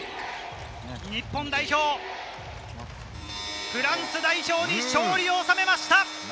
日本代表、フランス代表に勝利を収めました！